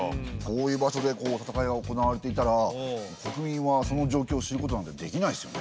遠い場所で戦いが行われていたら国民はその状況を知ることなんてできないですよね。